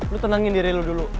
lo tenangin diri lo dulu